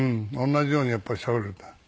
同じようにやっぱりしゃべるんだ。